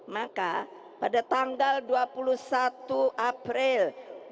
maka pada tanggal dua puluh satu april dua ribu dua puluh